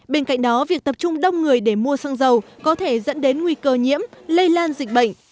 bên cạnh đó việc tập trung đông người để mua xăng dầu có thể dẫn đến nguy cơ nhiễm lây lan dịch bệnh